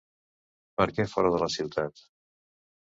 Per què fora de la ciutat?